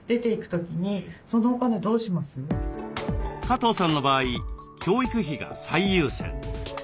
加藤さんの場合教育費が最優先。